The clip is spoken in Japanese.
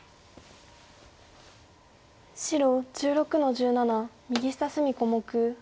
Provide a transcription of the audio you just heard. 白１６の十七右下隅小目。